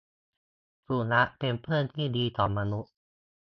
สุนัขเป็นเพื่อนที่ดีของมนุษย์